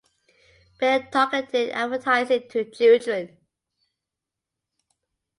ban targeted advertising to children